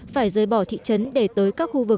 phải rời bỏ thị trấn để tới các khu vực